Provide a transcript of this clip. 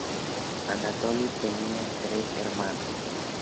Anatoli tenía tres hermanos.